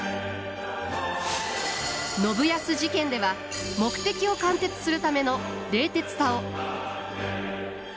信康事件では目的を貫徹するための冷徹さを。